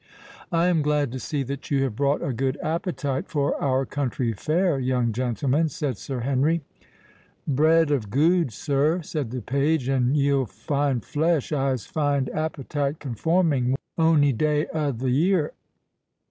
"I am glad to see that you have brought a good appetite for our country fare, young gentleman," said Sir Henry. "Bread of gude, sir!" said the page, "an ye'll find flesh, I'se find appetite conforming, ony day o' the year.